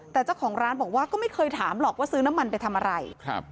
แต่เจ้าของร้านบอกว่าก็ไม่เคยถามหรอกว่าซื้อน้ำมันไปทำอะไรครับ